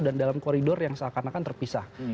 dan dalam koridor yang seakan akan terpisah